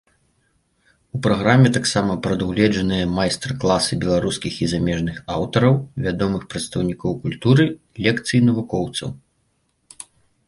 У праграме таксама прадугледжаныя майстар-класы беларускіх і замежных аўтараў, вядомых прадстаўнікоў культуры, лекцыі навукоўцаў.